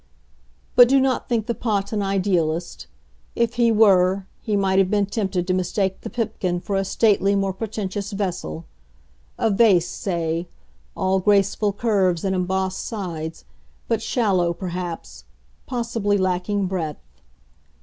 But do not think the Pot an idealist. If he were, he might have been tempted to mistake the Pipkin for a statelier, more pretentious Vessel a Vase, say, all graceful curves and embossed sides, but shallow, perhaps, possibly lacking breadth.